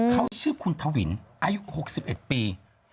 เขาชื่อคุณทวินอายุ๖๑ปี